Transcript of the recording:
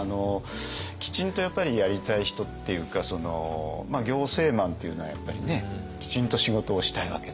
きちんとやっぱりやりたい人っていうか行政マンというのはやっぱりねきちんと仕事をしたいわけですよ。